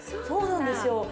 そうなんですよ。